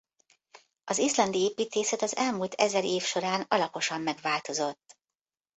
Az izlandi építészet az elmúlt ezer év során alaposan megváltozott.